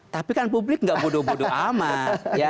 tapi kan publik nggak bodoh bodoh amat